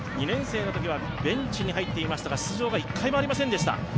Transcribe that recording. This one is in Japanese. ２年生のときはベンチに入っていましたが出場が１回もありませんでした。